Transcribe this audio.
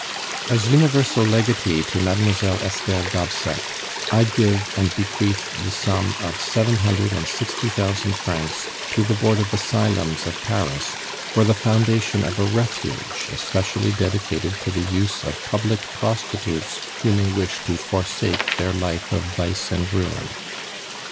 "As universal legatee to Mademoiselle Esther Gobseck, I give and bequeath the sum of seven hundred and sixty thousand francs to the Board of Asylums of Paris for the foundation of a refuge especially dedicated to the use of public prostitutes who may wish to forsake their life of vice and ruin.